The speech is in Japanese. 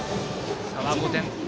差は５点。